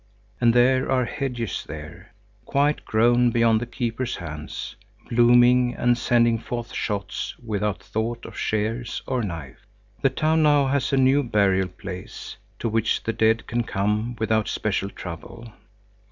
And there are hedges there, quite grown beyond their keeper's hands, blooming and sending forth shoots without thought of shears or knife. The town now has a new burial place, to which the dead can come without special trouble.